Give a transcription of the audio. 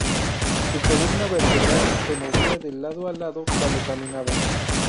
Su columna vertebral se movía de lado a lado cuando caminaba.